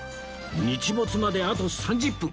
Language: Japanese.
日没まであと３０分